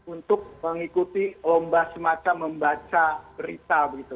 untuk mengikuti lomba semacam membaca berita begitu